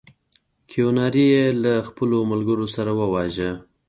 کیوناري یې له خپلو ملګرو سره وواژه.